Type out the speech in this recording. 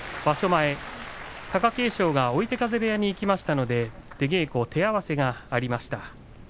前、貴景勝が追手風部屋に行きましたので、出稽古、手合わせがありました。